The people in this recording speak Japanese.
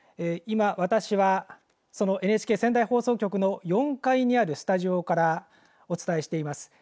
今、私はそのＮＨＫ仙台放送局の４階にあるスタジオからお伝えしています。